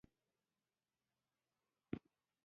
خدای دې د احمد خوله پر چا نه ور خلاصوي.